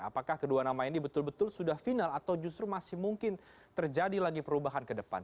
apakah kedua nama ini betul betul sudah final atau justru masih mungkin terjadi lagi perubahan ke depan